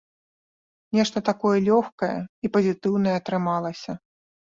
Нешта такое лёгкае і пазітыўнае атрымалася.